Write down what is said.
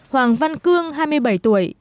hoàng văn cương hai mươi bảy tuổi